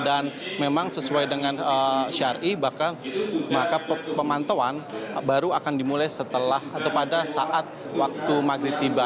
dan memang sesuai dengan syari maka pemantauan baru akan dimulai setelah atau pada saat waktu maghrib tiba